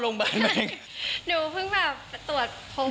ไม่ได้ท้อง